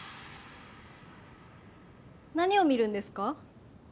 何を観るんですか？